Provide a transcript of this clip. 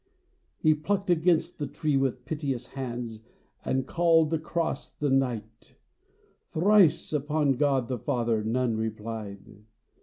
He plucked against the tree With piteous hands, and called across the night Thrice upon God the Father none replied